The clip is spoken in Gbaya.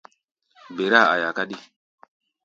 Ber-áa aia káɗí.